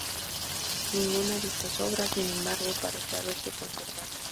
Ninguna de estas obras, sin embargo, parece haberse conservado.